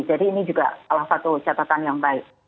jadi ini juga salah satu catatan yang baik